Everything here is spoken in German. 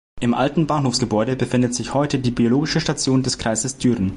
Im alten Bahnhofsgebäude befindet sich heute die Biologische Station des Kreises Düren.